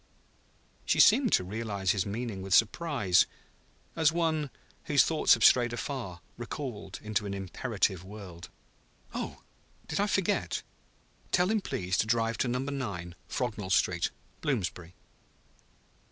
She seemed to realize his meaning with surprise, as one, whose thoughts have strayed afar, recalled to an imperative world. "Oh, did I forget? Tell him please to drive to Number Nine, Frognall Street, Bloomsbury."